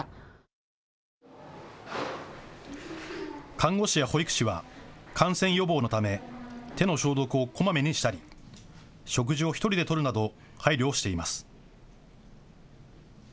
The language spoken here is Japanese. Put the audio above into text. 看護師や保育士は感染予防のため手の消毒をこまめにしたり食事を１人でとるなど配慮をしています。